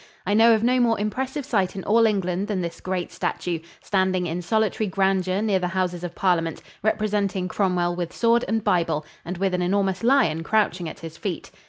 I know of no more impressive sight in all England than this great statue, standing in solitary grandeur near the Houses of Parliament, representing Cromwell with sword and bible, and with an enormous lion crouching at his feet.